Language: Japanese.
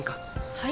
はい？